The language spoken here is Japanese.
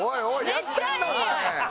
やってんなお前！